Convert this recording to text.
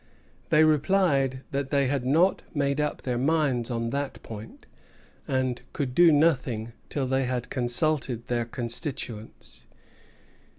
They replied that they had not made up their minds on that point, and could do nothing till they had consulted their constituents.